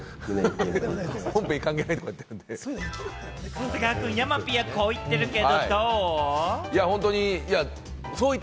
長谷川くん、山Ｐはこう言ってるけれど、どう？